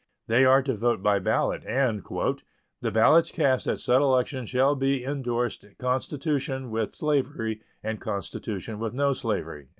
They are to vote by ballot, and "the ballots cast at said election shall be indorsed 'constitution with slavery' and 'constitution with no slavery.'"